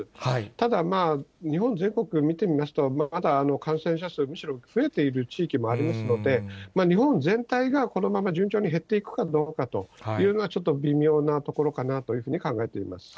ただまあ、日本全国見てみますと、まだ感染者数、むしろ増えている地域もありますので、日本全体がこのまま順調に減っていくかどうかというのは、ちょっと微妙なところかなというふうに考えております。